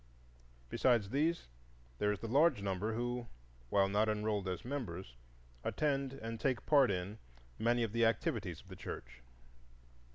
Besides these there is the large number who, while not enrolled as members, attend and take part in many of the activities of the church.